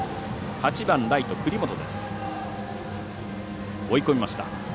８番ライト、栗本です。